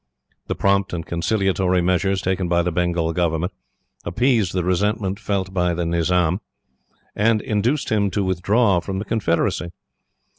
"The prompt and conciliatory measures, taken by the Bengal government, appeased the resentment felt by the Nizam, and induced him to withdraw from the Confederacy.